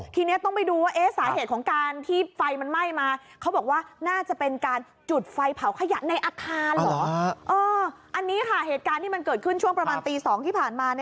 ทีนี้ต้องไปดูว่าสาเหตุของการที่ไฟมันไหม้มา